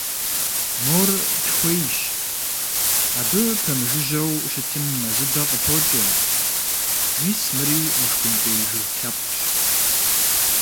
Мор тхуейщ, абы пэмыжыжьэу щытым мэзыдэ къыпокӀэ, мис мыри мышхумпӀей жыг лъэпкъщ.